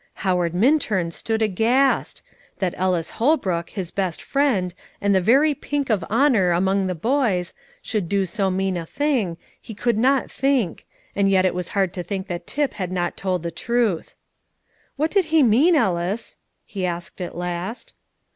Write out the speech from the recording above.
Howard Minturn stood aghast! That Ellis Holbrook, his best friend, and the very pink of honour among the boys, should do so mean a thing, he could not think, and yet it was hard to think that Tip had not told the truth. "What does he mean, Ellis?" he asked at last.